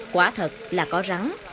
quả thật là có rắn